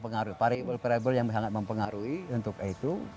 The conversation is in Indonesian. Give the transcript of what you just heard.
pencegahannya adalah fareewelpareable yang sangat mempengaruhi untuk itu